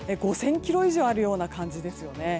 ５０００ｋｍ以上あるような感じですね。